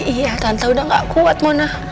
iya tante udah gak kuat mona